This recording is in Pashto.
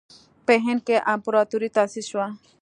په هند کې امپراطوري تأسیس شوه.